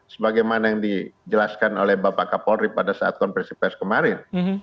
sebagaimana yang dijelaskan oleh bapak kapolri pada saat konversi pers kemarin